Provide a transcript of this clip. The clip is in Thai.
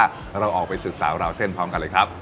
แล้วเราออกไปสืบสาวราวเส้นพร้อมกันเลยครับ